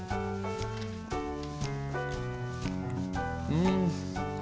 うん。